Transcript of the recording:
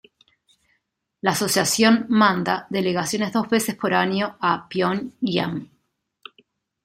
La asociación manda delegaciones dos veces por año a Pionyang.